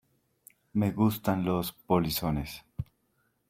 me gustan los polizones.